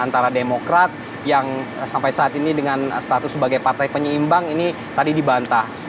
antara demokrat yang sampai saat ini dengan status sebagai partai penyeimbang ini tadi dibantah